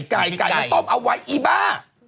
ไก่ต้องเอาไว้อีบ้า